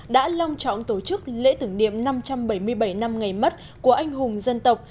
đã long trọng tổ chức lễ tưởng niệm năm trăm bảy mươi bảy năm ngày mất của anh hùng dân tộc